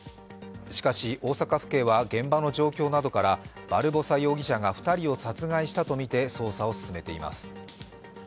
しかし、大阪府警は現場の状況などからバルボサ容疑者が２人を殺害したとみて捜査を進めています。